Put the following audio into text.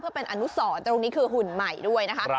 เพื่อเป็นอนุสรตรงนี้คือหุ่นใหม่ด้วยนะคะ